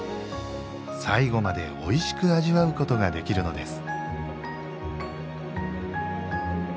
最後までおいしく味わうことができるのです。